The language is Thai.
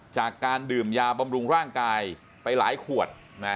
จากการดื่มยาบำรุงร่างกายไปหลายขวด